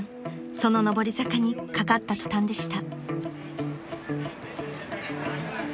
その上り坂にかかった途端でした］